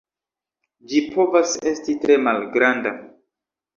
Ĝi povas esti tre malgranda.